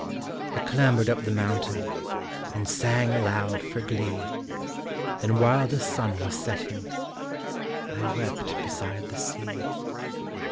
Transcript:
I clambered up the mountain, And sang aloud for glee. Then while the sun was setting, I wept beside the sea.